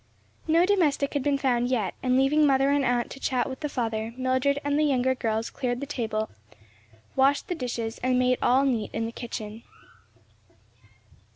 No domestic had been found yet and leaving mother and aunt to chat with the father, Mildred and the younger girls cleared the table, washed the dishes and made all neat in the kitchen.